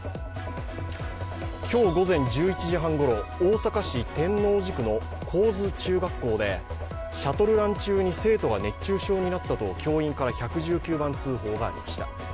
今日午前１１時半ごろ、大阪市天王寺区の高津中学校で、シャトルラン中に生徒が熱中症になったと、教員から１１９番通報がありました。